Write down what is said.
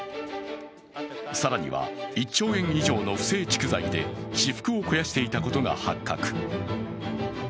更には１兆円以上の不正蓄財で私腹を肥やしていたことが発覚。